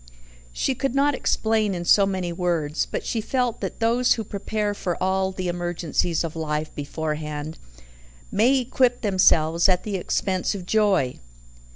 She could not explain in so many words, but she felt that those who prepare for all the emergencies of life beforehand may equip themselves at the expense of joy.